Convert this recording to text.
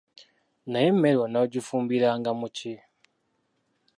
Naye emmere onoogifumbiranga mu ki?